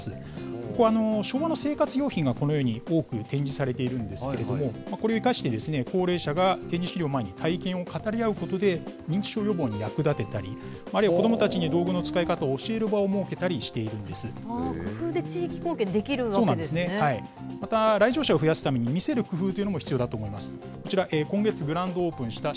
ここ、昭和の生活用品がこのように多く展示されているんですけれども、これを生かして、高齢者が展示資料を前に体験を語り合うことで、認知症予防に役立てたり、あるいは子どもたちに道具の使い方を教えたりする場を設けている工夫で地域貢献できるわけでまた来場者を増やすために見せる工夫というのも必要だと思います。